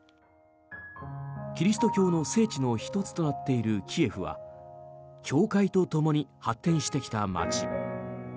キリスト教の聖地の１つとなっているキエフは教会とともに発展してきた街。